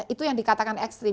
itu yang dikatakan ekstrim